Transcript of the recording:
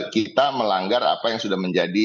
kita melanggar apa yang sudah menjadi